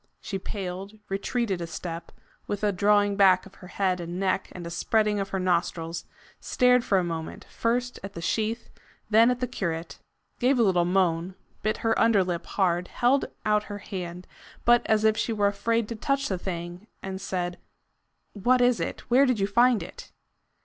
She paled, retreated a step, with a drawing back of her head and neck and a spreading of her nostrils, stared for a moment, first at the sheath, then at the curate, gave a little moan, bit her under lip hard, held out her hand, but as if she were afraid to touch the thing, and said: "What is it? Where did you find it?"